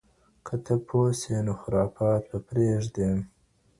که ته پوه سې نو خرافات به پرېږدې.